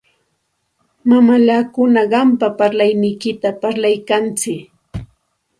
Mamallakuna qampa kawayniykipita parlaykanku.